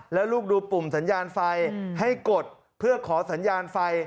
แล้วลูกดูปุ่มสัญญาณไฟให้กดเพื่อขอสัญญาณไฟ